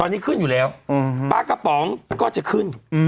ตอนนี้ขึ้นอยู่แล้วปลากระป๋องก็จะขึ้น